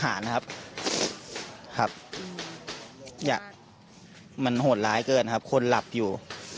ครับครับอย่ามันโหดร้ายเกินครับคนหลับอยู่